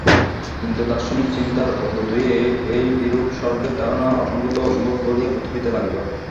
কিন্তু দার্শনিক চিন্তার অভ্যুদয়ে এইরূপ স্বর্গের ধারণা অসঙ্গত ও অসম্ভব বলিয়া বোধ হইতে লাগিল।